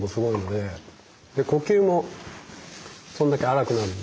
で呼吸もそんだけ荒くなるので。